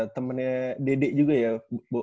temannya dede juga ya bu